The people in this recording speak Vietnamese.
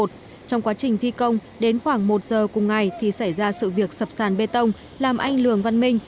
trong quá trình thi công đến khoảng một giờ cùng ngày thì xảy ra sự việc sập sàn bê tông làm anh lường văn minh